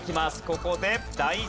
ここで。